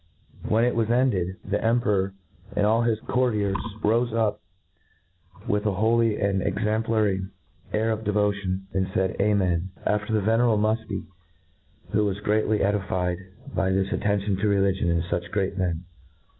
When it was ended, the Emperor and all his courtiers rofe up, with a holy and exauiplary air of devotion, and faid. Amen ! after the venerable Mufti, who was greatly edified by this attention to religion in fuch great men.